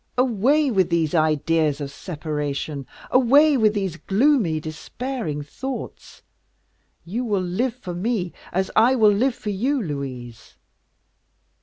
Away with these ideas of separation, away with these gloomy, despairing thoughts. You will live for me, as I will live for you, Louise."